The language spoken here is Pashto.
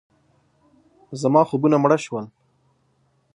زما خوبونه مړه شول.